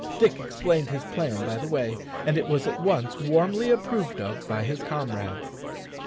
Dick explained his plan by the way, and it was at once warmly approved of by his comrades.